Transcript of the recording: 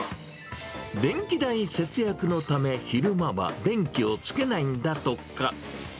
電気代節約のため、昼間は電気をつけないんだとか。